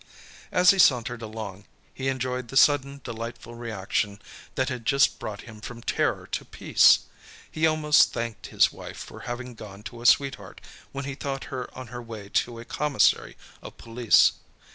As he sauntered along, he enjoyed the sudden, delightful reaction that had just brought him from terror to peace. He almost thanked his wife for having gone to a sweetheart, when he thought her on her way to a commissary of police.